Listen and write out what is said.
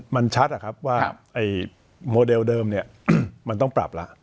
มันชัดว่าโมเดลเดิมเนี่ยมันต้องปรับละ